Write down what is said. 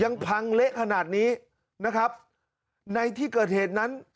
ยังพังเละขนาดนี้นะครับในที่เกิดเหตุนั้น